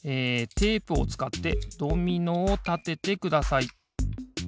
テープをつかってドミノをたててください。